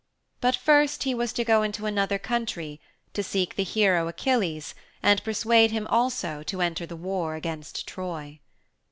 But first he was to go into another country to seek the hero Achilles and persuade him also to enter the war against Troy.